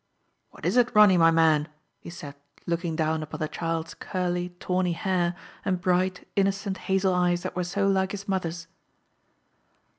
" What is it, Ronny, my man ?*' he said, looking down upon the child's curly, tawny hair and bright, innocent, hazel eyes that were so like his mother's.